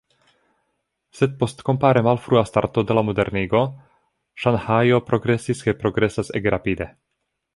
Sed post kompare malfrua starto de la modernigo Ŝanhajo progresis kaj progresas ege rapide.